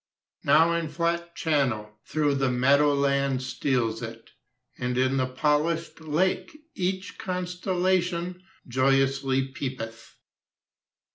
Now, in flat channel, Through the meadowland steals it, And in the polish'd lake Each constellation Joyously peepeth.